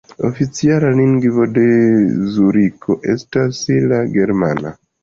Oficiala lingvo de Zuriko estas la germana.